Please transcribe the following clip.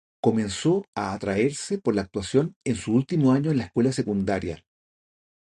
Comenzó a atraerse por la actuación en su último año en la escuela secundaria.